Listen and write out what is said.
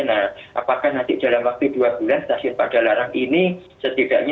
nah apakah nanti dalam waktu dua bulan stasiun padalarang ini setidaknya